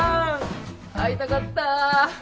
会いたかった！